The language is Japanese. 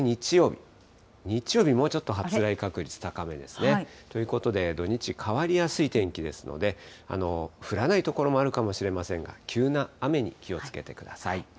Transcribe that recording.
日曜日、もうちょっと発雷確率、高めですね。ということで、土日、変わりやすい天気ですので、降らない所もあるかもしれませんが、急な雨に気をつけてください。